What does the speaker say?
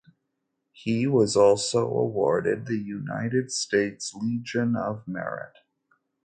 He was also awarded the United States Legion of Merit.